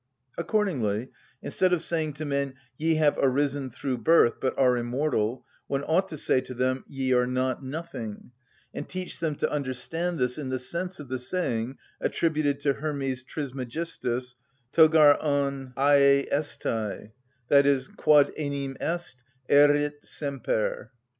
Accordingly, instead of saying to men, "Ye have arisen through birth, but are immortal," one ought to say to them, "Ye are not nothing," and teach them to understand this in the sense of the saying attributed to Hermes Trismegistus, "Το γαρ ὀν ἀει ἐσται" (Quod enim est, erit semper), _Stob.